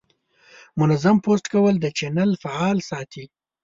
منظم پوسټ کول د چینل فعال ساتي.